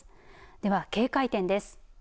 では警戒点です。